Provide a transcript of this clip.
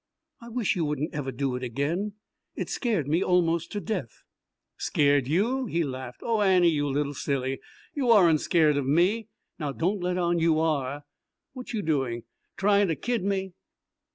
"I wish you wouldn't ever do it again. It scared me almost to death." "Scared you!" he laughed. "Oh, Annie, you little silly you aren't scared of me. Now don't let on you are. What you doing trying to kid me?